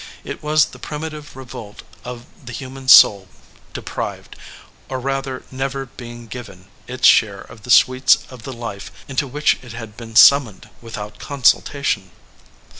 It was the primitive revolt of the human soul deprived, or rather never being given, its share of the sweets of the life into which it had been summoned without consultation.